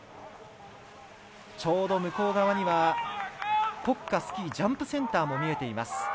ちょうど向こう側には国家スキージャンプセンターが見えています。